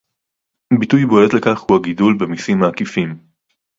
ביטוי בולט לכך הוא הגידול במסים העקיפים